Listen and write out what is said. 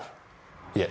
いえ。